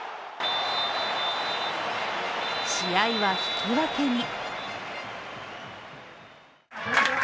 試合は引き分けに。